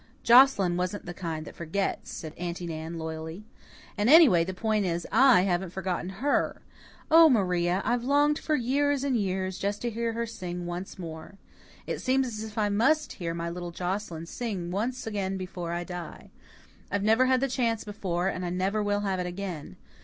"Joscelyn wasn't the kind that forgets," said Aunty Nan loyally. "And, anyway, the point is, I haven't forgotten HER. Oh, Maria, I've longed for years and years just to hear her sing once more. It seems as if I MUST hear my little Joscelyn sing once again before I die. I've never had the chance before and I never will have it again.